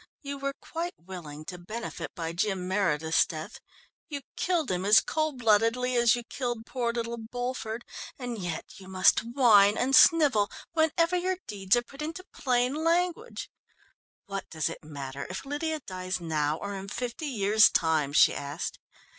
"You were quite willing to benefit by Jim Meredith's death; you killed him as cold bloodedly as you killed poor little Bulford, and yet you must whine and snivel whenever your deeds are put into plain language. What does it matter if Lydia dies now or in fifty years time?" she asked.